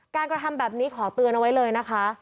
กระทำแบบนี้ขอเตือนเอาไว้เลยนะคะ